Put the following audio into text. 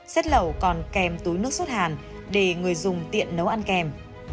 xét lẩu còn kèm túi nước suốt hàn để người dùng tiện nấu ăn kèm